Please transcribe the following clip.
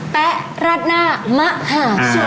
แป๊ะราดหน้ามหาชุด